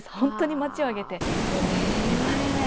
町を挙げて、盛り上げています。